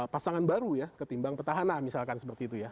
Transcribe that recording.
pasangan baru ya ketimbang petahana misalkan seperti itu ya